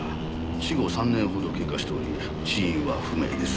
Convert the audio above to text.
死後３年ほど経過しており死因は不明です。